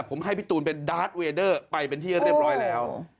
ผมให้พี่ตูนเป็นดาร์ดเวดเดอร์ไปเป็นที่เรียบร้อยแล้ว